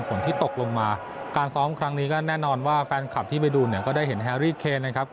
ตอนที่เรามารู้ไหมครับ